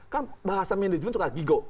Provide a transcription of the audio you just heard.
kan bahasa manajemen suka gigo